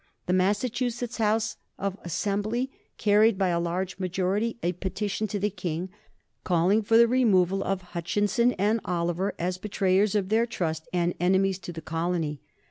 The Massachusetts House of Assembly carried by a large majority a petition to the King, calling for the removal of Hutchinson and Oliver as betrayers of their trust and enemies to the colony.